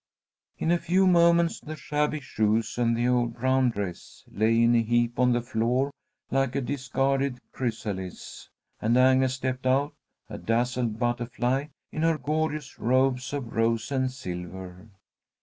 In a few moments the shabby shoes and the old brown dress lay in a heap on the floor like a discarded chrysalis, and Agnes stepped out, a dazzled butterfly, in her gorgeous robes of rose and silver.